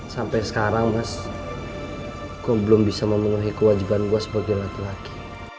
sampai sekarang mas gue belum bisa memenuhi kewajiban gue sebagai laki laki